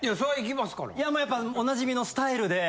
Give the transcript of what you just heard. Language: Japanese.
まあやっぱおなじみのスタイルで。